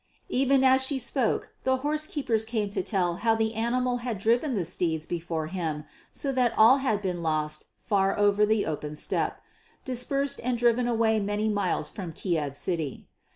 Even as she spoke the horse keepers came to tell how the animal had driven the steeds before him so that all had been lost far over the open steppe, dispersed and driven away many miles from Kiev city.